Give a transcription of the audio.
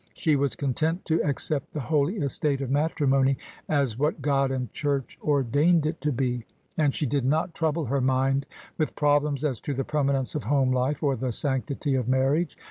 She was content to accept the holy estate of matrimony as what God and Church ordained it to be: and she did not trouble her mind with problems as to the permanence of home life or the sanctity of marriage.